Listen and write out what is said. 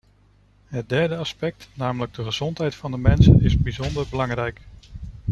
Het derde aspect, namelijk de gezondheid van de mensen, is bijzonder belangrijk.